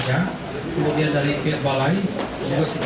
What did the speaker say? termasuk nanti terbantu dari swasta atau pihak swasta yang masih bekerja